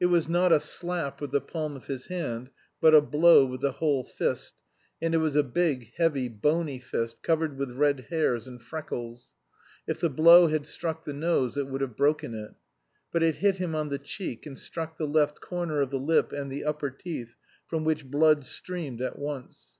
It was not a slap with the palm of his hand, but a blow with the whole fist, and it was a big, heavy, bony fist covered with red hairs and freckles. If the blow had struck the nose, it would have broken it. But it hit him on the cheek, and struck the left corner of the lip and the upper teeth, from which blood streamed at once.